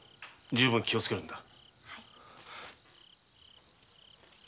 十分気をつけるんだ。